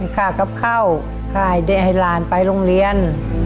เค้ากับเข้ามันกลายอายหลานไปโรงเรียน